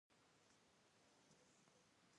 دوې هم څۀ موده پۀ زندان کښې تېره کړه